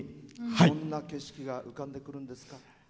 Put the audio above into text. どんな景色が浮かんでくるんですか？